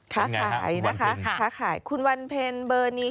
ค้าขายนะคะคุณวันเพ็ญเบอร์นี้